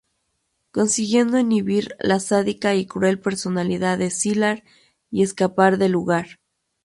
Consiguiendo inhibir la sádica y cruel personalidad de Sylar y escapar del lugar.